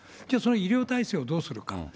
じゃあその医療体制をどうするのか。